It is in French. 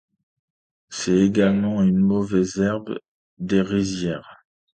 C'est également une mauvaise herbe des rizières.